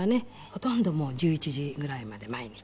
ほとんどもう１１時ぐらいまで毎日。